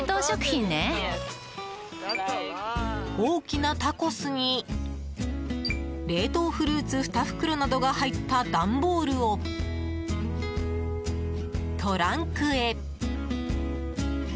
大きなタコスに冷凍フルーツ２袋などが入った段ボールをトランクへ。